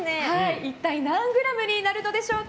一体何グラムになるのでしょうか。